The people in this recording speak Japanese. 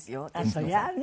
そりゃあね。